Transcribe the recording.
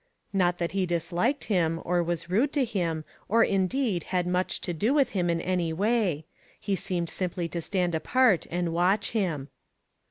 Not that he disliked him, or was rude to him, or, indeed, had much to do with him in any way ; he seemed simply to stand apart and watch him.